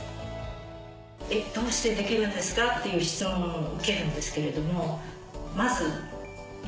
「どうしてできるんですか？」っていう質問を受けるんですけれども。